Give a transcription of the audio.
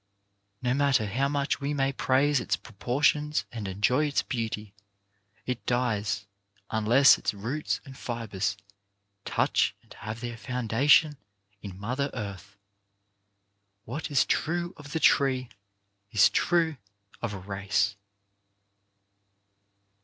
No matter how much we may praise its proportions and enjoy its beauty, it dies unless its roots and fibres touch and have their foundation in Mother Earth. What is true of the tree is true of a race.